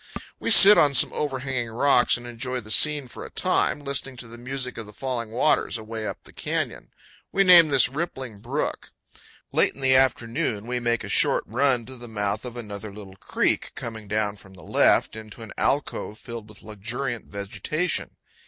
We sit on some overhanging rocks and enjoy the scene for a time, listening to the music of the falling waters away up the canyon. We name this Rippling Brook. Late in the afternoon we make a short run to the mouth of another little creek, coming down from the left into an alcove filled with luxuriant vegetation.